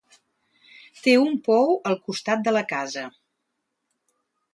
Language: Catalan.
Té un pou al costat de la casa.